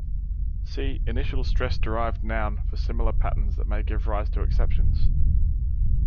See initial-stress-derived noun for similar patterns that may give rise to exceptions.